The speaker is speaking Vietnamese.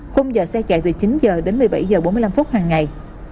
khung giờ xe chạy từ chín h đến một mươi bảy h bốn mươi năm phút hằng ngày